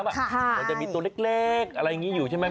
มันจะมีตัวเล็กอะไรอย่างนี้อยู่ใช่ไหม